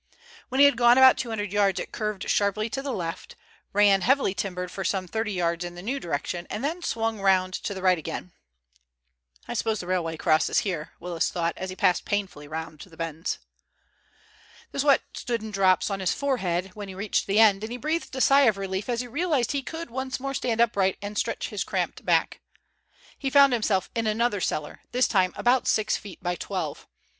When he had gone about two hundred yards it curved sharply to the left, ran heavily timbered for some thirty yards in the new direction, and then swung round to the right again. "I suppose the railway crosses here," Willis thought, as he passed painfully round the bends. The sweat stood in drops on his forehead when he reached the end, and he breathed a sigh of relief as he realized he could once more stand upright and stretch his cramped back. He found himself in another cellar, this time about six feet by twelve.